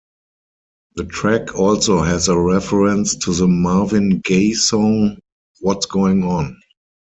The track also has a reference to the Marvin Gaye song What's Going On.